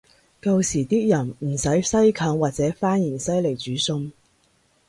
舊時啲人唔使西芹或者番芫茜來煮餸